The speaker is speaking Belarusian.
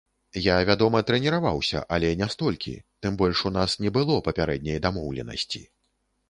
Я, вядома, трэніраваўся, але не столькі, тым больш у нас не было папярэдняй дамоўленасці.